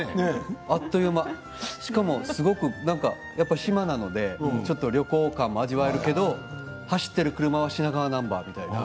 あっという間、しかもすごく島なのでちょっと旅行感も味わえるし走っている車は品川ナンバー。